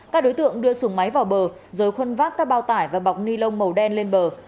các đối tượng đưa sùng máy vào bờ rồi khuân vác các bao tải và bọc ni lông màu đen lên bờ